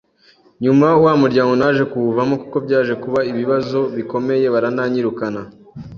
Nyuma wa muryango naje kuwuvamo kuko byaje kuba ibibazo bikomeye barananyirukana